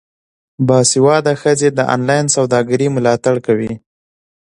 باسواده ښځې د انلاین سوداګرۍ ملاتړ کوي.